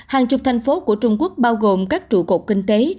hàng chục thành phố của trung quốc bao gồm các trụ cột kinh tế